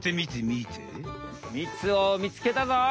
みつをみつけたぞ。